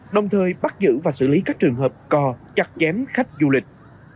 đồng thời bắt giữ và xử lý các trường hợp cò chặt chém khách du lịch